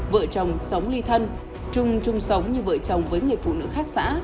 vợ chồng sống ly thân trung chung sống như vợ chồng với người phụ nữ khác xã